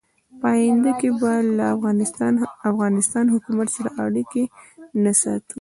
په آینده کې به له افغانستان حکومت سره اړیکې نه ساتو.